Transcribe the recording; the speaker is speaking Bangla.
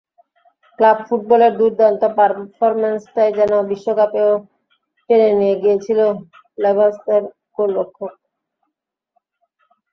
ক্লাব ফুটবলের দুর্দান্ত পারফরম্যান্সটাই যেন বিশ্বকাপেও টেনে নিয়ে গিয়েছিলেন লেভান্তের গোলরক্ষক।